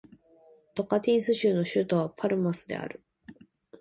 トカンティンス州の州都はパルマスである